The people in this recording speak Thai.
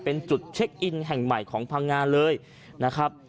เป็นจุดเช็คอินแห่งใหม่ของพังงานเลยนะครับ